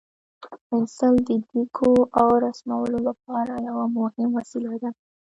پنسل د لیکلو او رسمولو لپاره یو مهم وسیله ده.